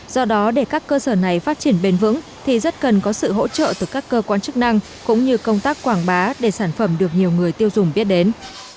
do đó để các cơ sở này phát triển bền vững thì rất cần có sự hỗ trợ từ các cơ quan chức năng cũng như công tác quảng bá để sản phẩm được nhiều người tiêu dùng biết đến